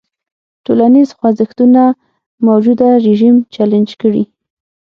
ټولنیز خوځښتونه موجوده رژیم چلنج کړي.